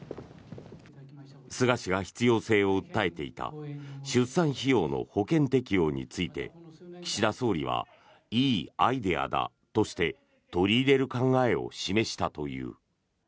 菅氏が必要性を訴えていた出産費用の保険適用について岸田総理はいいアイデアだとして取り入れる考えを示したという。